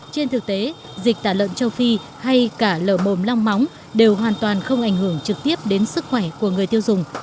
trên thực tế dịch tả lợn châu phi hay cả lở mồm long móng đều hoàn toàn không ảnh hưởng trực tiếp đến sức khỏe của người tiêu dùng